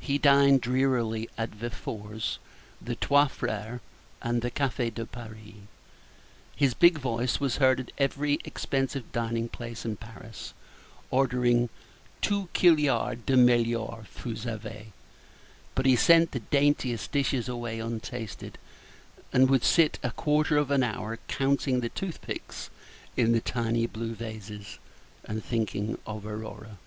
He dined drearily at Véfour's, the Trois Frères, and the Café de Paris. His big voice was heard at every expensive dining place in Paris, ordering "Toos killyar de mellyour: vous savez;" but he sent the daintiest dishes away untasted, and would sit for a quarter of an hour counting the toothpicks in the tiny blue vases, and thinking of Aurora.